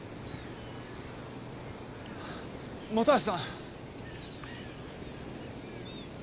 本橋さん。